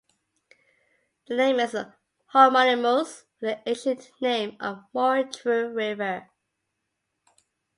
The name is homonymous with the ancient name of Motru river.